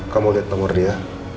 kamu liat nomor dia